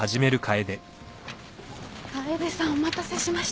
楓さんお待たせしました。